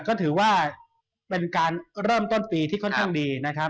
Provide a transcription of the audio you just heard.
ก็ถือว่าเป็นการเริ่มต้นปีที่ค่อนข้างดีนะครับ